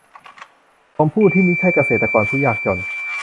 ของผู้ที่มิใช่เกษตรกรผู้ยากจน